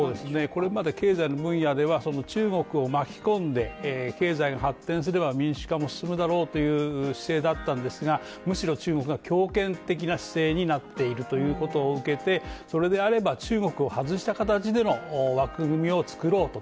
これまで経済の分野では中国を巻き込んで経済が発展すれば民主化も進むだろうという姿勢だったんですが、むしろ中国が強権的な姿勢になっているということを受けてそれであれば中国を外した形での枠組みを作ろうと。